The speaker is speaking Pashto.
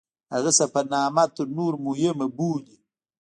هغه سفرنامه تر نورو مهمه بولي.